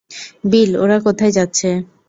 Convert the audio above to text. বিল, ওরা কোথায় যাচ্ছে?